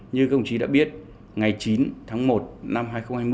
như công chí đã biết ngày chín tháng một năm hai nghìn hai mươi